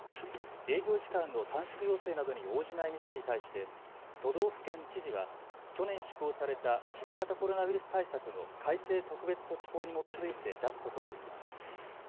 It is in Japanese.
営業時間の短縮要請などに応じない店に対して都道府県知事は去年施行された新型コロナウイルス対策の改正特別措置法に基づいて出すことができます。